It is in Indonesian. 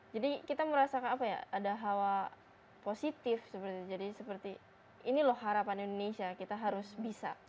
jadi kita merasakan ada hawa positif jadi seperti ini loh harapan indonesia kita harus bisa